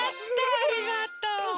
ありがとう。